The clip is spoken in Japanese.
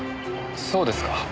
そうですか。